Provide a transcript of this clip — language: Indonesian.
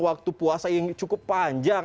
waktu puasa yang cukup panjang